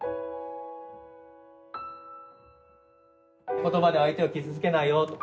言葉で相手を傷つけないよと。